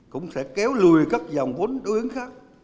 cũng sẽ kéo lùi các dòng vốn đối ứng khác